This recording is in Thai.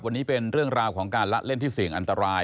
วันนี้เป็นเรื่องราวของการละเล่นที่เสี่ยงอันตราย